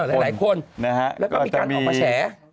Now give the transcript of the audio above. แล้วก็มีการออกมาแชร์